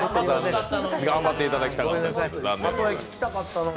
頑張っていただきたかったです。